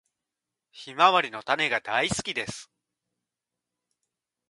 ヒマワリの種が大好きです。